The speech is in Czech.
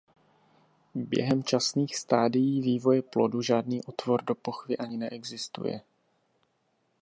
Během časných stádií vývoje plodu žádný otvor do pochvy ani neexistuje.